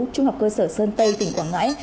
trung học cơ sở sơn tây tỉnh quảng ngãi